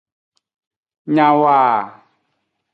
Nyawoa.